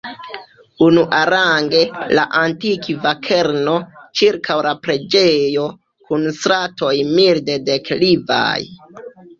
Unuarange, la antikva kerno, ĉirkaŭ la preĝejo, kun stratoj milde deklivaj.